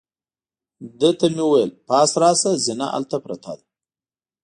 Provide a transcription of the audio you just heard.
ده ته مې وویل: پاس راشه، زینه هلته پرته ده.